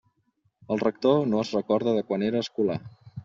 El rector no es recorda de quan era escolà.